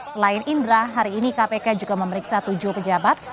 selain indra hari ini kpk juga memeriksa tujuh pejabat